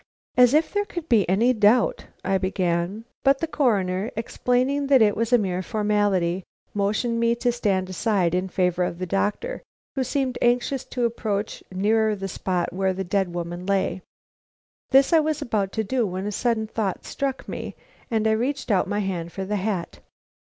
"As if there could be any doubt," I began. But the Coroner, explaining that it was a mere formality, motioned me to stand aside in favor of the doctor, who seemed anxious to approach nearer the spot where the dead woman lay. This I was about to do when a sudden thought struck me, and I reached out my hand for the hat.